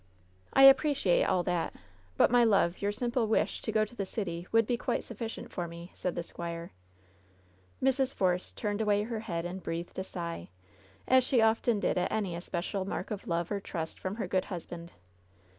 "I appreciate all that ; but, my love, your simple wish 14 LOVE'S BITTEREST CUP to go to the city would be quite sufficient for me/* said the squire. Mrs. Force turned away her head and breathed a sigh, as she often did at any especial mark of love or trust from her good husband.